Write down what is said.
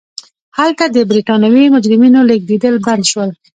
هلته د برېټانوي مجرمینو لېږدېدل بند شول.